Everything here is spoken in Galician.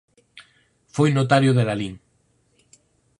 Foi notario de Lalín.